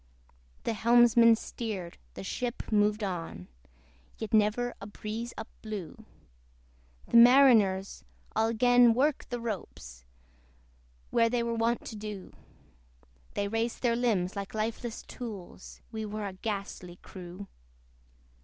The helmsman steered, the ship moved on; Yet never a breeze up blew; The mariners all 'gan work the ropes, Where they were wont to do: They raised their limbs like lifeless tools We were a ghastly crew.